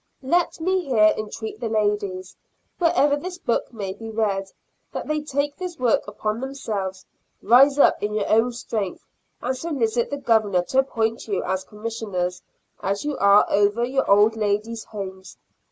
Let me here entreat the ladies, wherever this book may be read, that they take this work upon themselves. Rise up in your own strength, and solicit the Governor to appoint you as Commissioners, as you are over your Old Ladies' Homes.